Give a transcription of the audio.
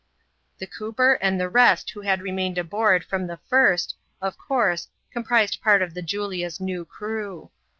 The cooper and the rest who had remained aboard from the first, of course, composed part of the Julia's new crew.